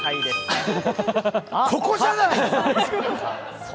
ここじゃない！